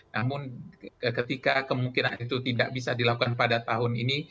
namun ketika kemungkinan itu tidak bisa dilakukan pada tahun ini